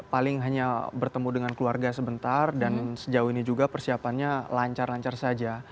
jadi paling hanya bertemu dengan keluarga sebentar dan sejauh ini juga persiapannya lancar lancar saja